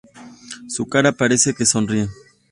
Su cara parece que sonríe.